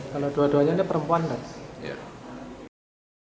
ketiga jenazah ini perempuan